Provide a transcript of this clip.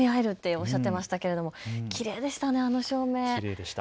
高め合えるとおっしゃっていましたけれどきれいでしたね、あの照明。。